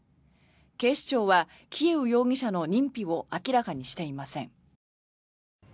警視庁はキエウ容疑者の認否を明らかにしていません。